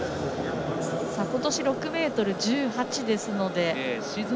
ことし６ｍ１８ですので。